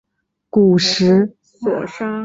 古时由中臣式宣读。